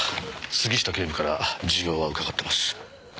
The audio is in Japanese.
杉下警部から事情は伺ってます。